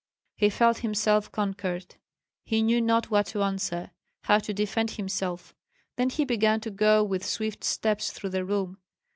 He felt himself conquered; he knew not what to answer, how to defend himself. Then he began to go with swift steps through the room.